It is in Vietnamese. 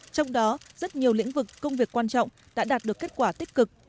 trong đó rất nhiều lĩnh vực công việc quan trọng đã đạt được kết quả tích cực